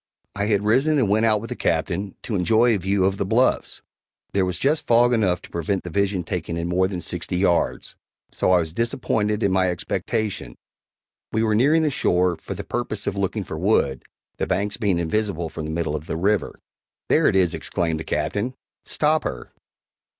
I had risen and went out with the Captain, to enjoy a view of the bluffs. There was just fog enough to prevent the vision taking in more than sixty yards so I was disappointed in my expectation. We were nearing the shore, for the purpose of looking for wood, the banks being invisible from the middle of the river. "There it is!" exclaimed the Captain; "stop her!"